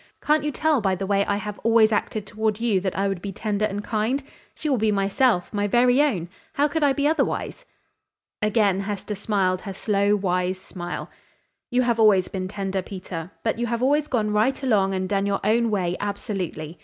Can't you tell by the way I have always acted toward you that I would be tender and kind? She will be myself my very own. How could I be otherwise?" Again Hester smiled her slow, wise smile. "You have always been tender, Peter, but you have always gone right along and done your own way, absolutely.